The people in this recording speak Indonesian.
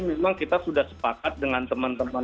memang kita sudah sepakat dengan teman teman